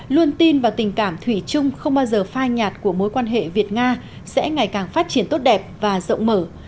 luôn tin vào tình cảm thủy chung không bao giờ phai nhạt của mối quan hệ việt nga sẽ ngày càng phát triển tốt đẹp và rộng mở